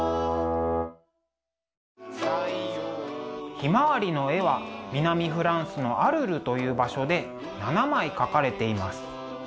「ひまわり」の絵は南フランスのアルルという場所で７枚描かれています。